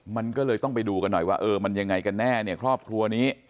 มันก็เลยต้องไปดูกันหน่อยว่าเออมันยังไงกันแน่เนี่ยครอบครัวนี้